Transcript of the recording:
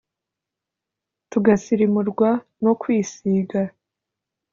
tugasirimurwa no kwisiga,